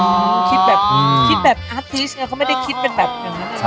แบบคิดแบบแอร์ทีชมันไม่ได้คิดเป็นแบบนั้น